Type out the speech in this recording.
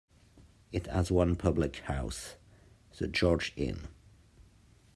It has one public house, the George Inn.